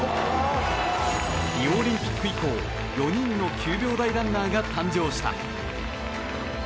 リオオリンピック以降４人の９秒台ランナーが誕生した。